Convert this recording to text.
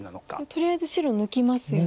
とりあえず白抜きますよね。